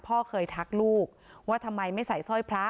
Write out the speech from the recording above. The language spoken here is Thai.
พ่อเคยทักลูกว่าทำไมไม่ใส่สร้อยพระ